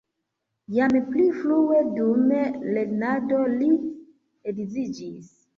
Jam pli frue dum lernado li edziĝis.